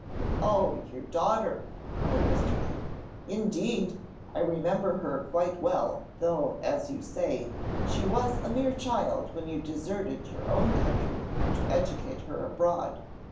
"Oh, your daughter!" cried Mr. King; "indeed, I remember her quite well, though, as you say, she was a mere child when you deserted your own country to educate her abroad.